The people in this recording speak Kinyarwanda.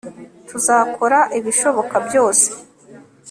Tuzakora ibishoboka byose